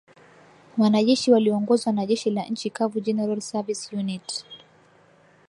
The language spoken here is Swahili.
Wanajeshi waliongozwa na Jeshi la Nchi Kavu General Service Unit